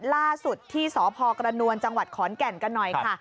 ล่าสุดที่สพกระนวลจังหวัดขอนแก่นกันหน่อยค่ะ